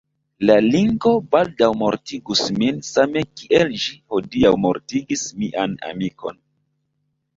La linko baldaŭ mortigus min same kiel ĝi hodiaŭ mortigis mian amikon.